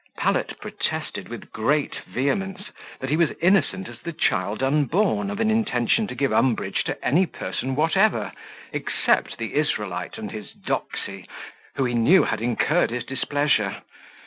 Pallet protested, with great vehemence, that he was innocent as the child unborn of an intention to give umbrage to any person whatever, except the Israelite and his doxy, who he knew had incurred his displeasure.